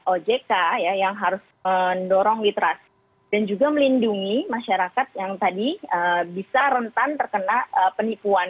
ojk yang harus mendorong literasi dan juga melindungi masyarakat yang tadi bisa rentan terkena penipuan